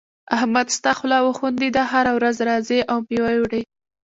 احمد ستا خوله وخوندېده؛ هر ورځ راځې او مېوه وړې.